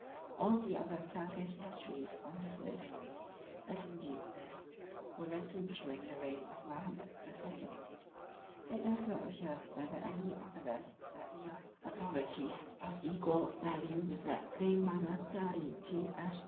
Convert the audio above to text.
All the other Turkish histories on his list, as indeed this, were written during the reign of Mahomet II. It does not appear whether any of the rest cite earlier authorities of equal value with that claimed by the "Tarichi Aaschik Paschasade."